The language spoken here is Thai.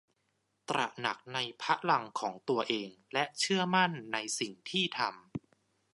ตระหนักในพลังของตัวเองและเชื่อมั่นในสิ่งที่ทำ